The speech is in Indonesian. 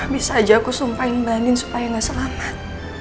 bisa aja aku sumpahin mbak andin supaya gak selamat